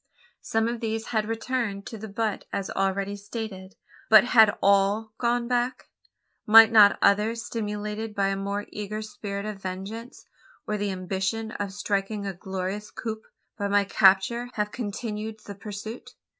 Some of these had returned to the butte as already stated, but had all gone back? Might not others stimulated by a more eager spirit of vengeance, or the ambition of striking a glorious coup by my capture have continued the pursuit?